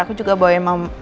aku juga bawain mama